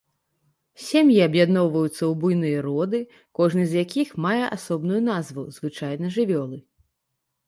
Сем'і аб'ядноўваюцца ў буйныя роды, кожны з якіх мае асобную назву, звычайна жывёлы.